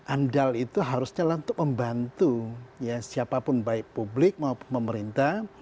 amdal itu harusnya untuk membantu siapapun baik publik maupun pemerintah